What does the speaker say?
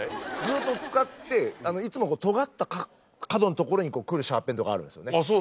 ずっと使っていつもトガった角の所に来るシャーペンとかあるんですよね。